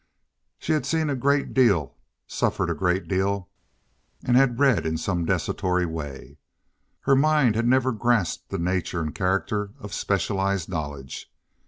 She had seen a great deal, suffered a great deal, and had read some in a desultory way. Her mind had never grasped the nature and character of specialized knowledge.